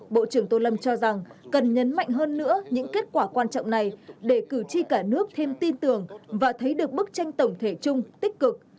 bộ trưởng tô lâm cho rằng cần nhấn mạnh hơn nữa những kết quả quan trọng này để cử tri cả nước thêm tin tưởng và thấy được bức tranh tổng thể chung tích cực